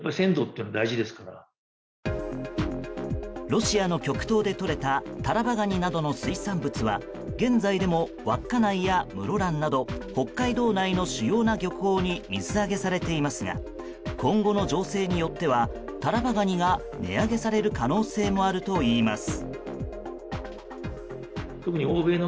ロシアの極東でとれたタラバガニなどの水産物は現在でも稚内や根室など北海道の主要な漁港に水揚げされていますが今後の情勢によってはタラバガニが値上げされる可能性もあるといいます。